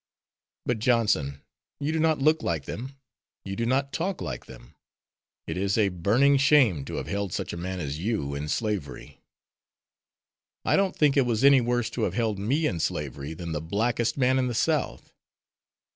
"But, Johnson, you do not look like them, you do not talk like them. It is a burning shame to have held such a man as you in slavery." "I don't think it was any worse to have held me in slavery than the blackest man in the South."